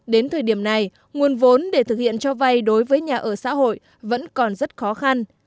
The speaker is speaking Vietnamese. đến thời điểm này nguồn vốn để thực hiện cho vay đối với nhà ở xã hội vẫn còn rất khó khăn